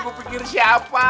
gua pikir siapa